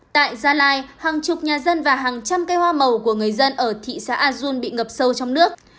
tại gia lai hàng chục nhà dân và hàng trăm cây hoa màu của người dân ở thị xã azun bị ngập sâu trong nước